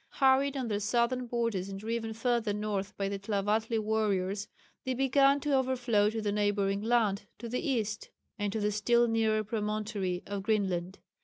Harried on their southern borders and driven further north by the Tlavatli warriors, they began to overflow to the neighbouring land to the east, and to the still nearer promontory of Greenland.